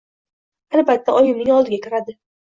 Albatta oyimning oldiga kiradi.